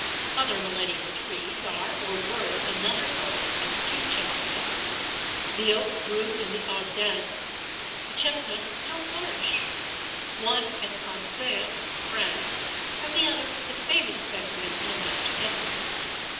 Other millennial trees are or were another oak and two chestnuts: the oak grew in the Ardennes, the chestnuts still flourish, one at Sancerre (France), and the other the famous specimen on Mount Etna.